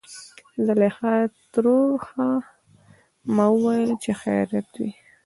زليخا ترور :ښا ما ويل چې خېرت وي.